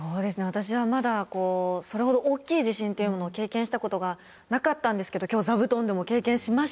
私はまだそれほど大きい地震っていうものを経験したことがなかったんですけど今日ザブトンでも経験しましたし。